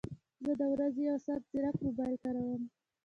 زه د ورځې یو ساعت ځیرک موبایل کاروم